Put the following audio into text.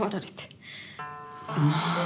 まあ。